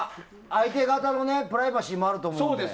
相手方のプライバシーもあると思うので。